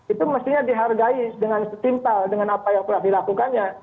itu mestinya dihargai dengan setimpal dengan apa yang telah dilakukannya